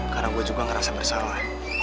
karena gue juga ngerasa bersalah